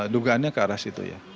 dugaannya ke arah situ ya